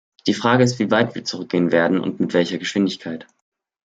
Die Frage ist, wie weit wir zurückgehen werden und mit welcher Geschwindigkeit.